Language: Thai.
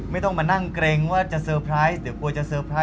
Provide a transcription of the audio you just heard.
ไม่ต้องมานั่งเกร็งว่าเขาจะเซอร์ไพรซ์กลับหรือเปล่า